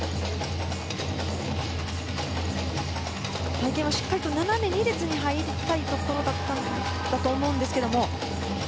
回転はしっかりと斜め２列に入りたいところだったと思うんですけども。